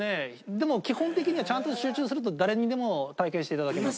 でも基本的にはちゃんと集中すると誰にでも体験していただけます。